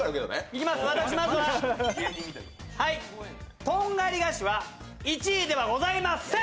いきます、私、まずはトンガリ菓子は１位ではございません。